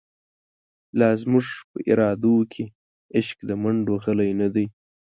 لا زموږ په ارادو کی، عشق د مڼډو غلۍ نه دۍ